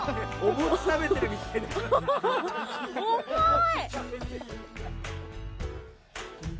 重い！